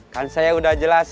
kan saya udah jelas